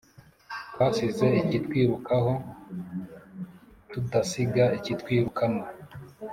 twasize ikitwirukaho tudasiga ikitwirukamo"